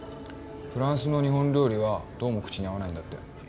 フランスの日本料理はどうも口に合わないんだって。